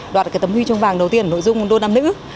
đoạt tấm huy trung vàng đầu tiên nội dung đô nam nữ